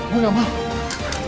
gue gak mau